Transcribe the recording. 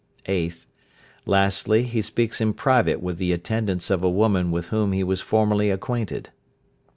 8th. Lastly, he speaks in private with the attendants of a woman with whom he was formerly acquainted.